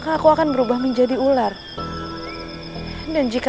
kenapa lu agak menaruhinkan diri poi kenirkan dari aku